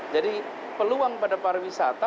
jadi peluang pada pariwisata